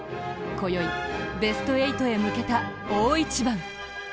今宵、ベスト８へ向けた大一番。